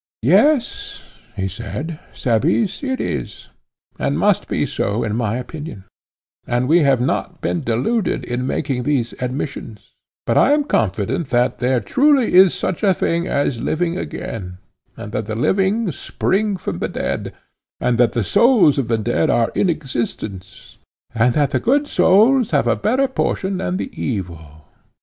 Yes, he said, Cebes, it is and must be so, in my opinion; and we have not been deluded in making these admissions; but I am confident that there truly is such a thing as living again, and that the living spring from the dead, and that the souls of the dead are in existence, and that the good souls have a better portion than the evil.